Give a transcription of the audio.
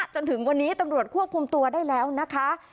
จนถึงวันนี้ตำรวจควบคุมตัวได้แล้วนะคะ